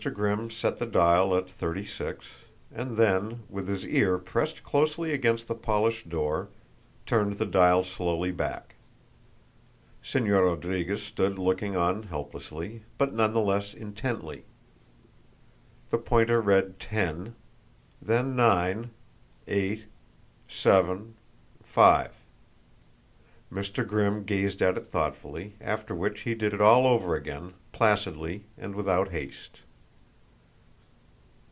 Grimm set the dial at thirty six, and then, with his ear pressed closely against the polished door, turned the dial slowly back. Señor Rodriguez stood looking on helplessly, but none the less intently. The pointer read ten, then nine, eight, seven, five. Mr. Grimm gazed at it thoughtfully, after which he did it all over again, placidly and without haste.